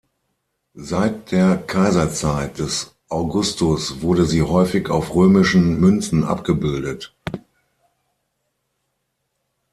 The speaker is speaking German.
Seit der Kaiserzeit des Augustus wurde sie häufig auf römischen Münzen abgebildet.